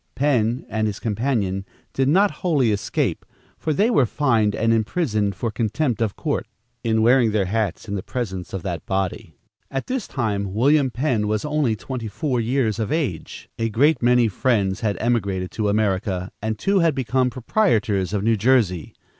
Penn and his companion did not wholly escape, for they were fined and imprisoned for contempt of court, in wearing their hats in the presence of that body. At this time William Penn was only twenty four years of age. [Illustration: William Penn.] A great many Friends had emigrated to America, and two had become proprietors of New Jersey.